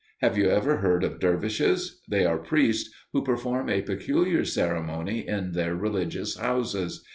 Have you ever heard of dervishes? They are priests who perform a peculiar ceremony in their religious houses.